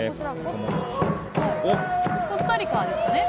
コスタリカですかね。